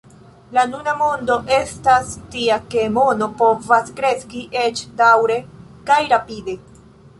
La nuna mondo estas tia ke mono povas kreski, eĉ daŭre kaj rapide.